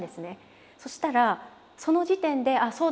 そしたらその時点で「ああそうだった」と。